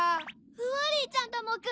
フワリーちゃんだモク！